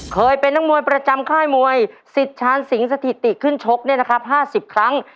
เคยเป็นนักมวยประจำค่ายมวยสิทธานสิงสถิติขึ้นชก๕๐ครั้ง